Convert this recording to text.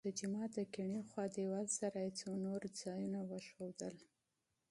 د جومات د کیڼې خوا دیوال سره څو نور ځایونه یې وښودل.